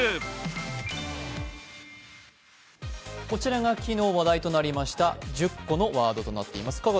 こちらが昨日話題となりました１０個のワードとなっています。